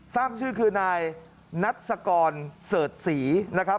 ทราบชื่อคือนายนัสกรเสิร์ชศรีนะครับ